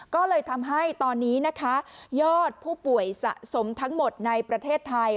ก็เลยทำให้ตอนนี้นะคะยอดผู้ป่วยสะสมทั้งหมดในประเทศไทย